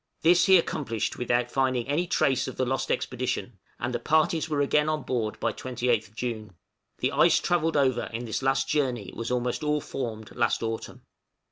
This he accomplished without finding any trace of the lost expedition, and the parties were again on board by 28th June. The ice travelled over in this last journey was almost all formed last autumn.